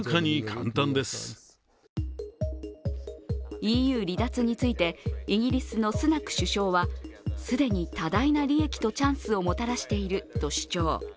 ＥＵ離脱についてイギリスのスナク首相は既に多大な利益とチャンスをもたらしていると主張。